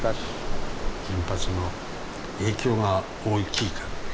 原発の影響が大きいからね。